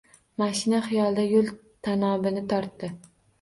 Mashina xiyolda yo‘l tanobini tortdi.